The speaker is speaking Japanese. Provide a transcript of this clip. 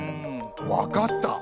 わかった。